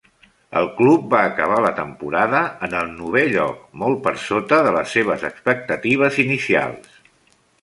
El club va acabar la temporada en el novè lloc, molt per sota de les seves expectatives inicials.